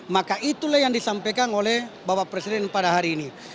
maka itulah yang disampaikan oleh bapak presiden pada hari ini